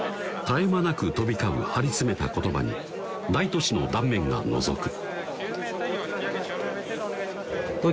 絶え間なく飛び交う張り詰めた言葉に大都市の断面がのぞく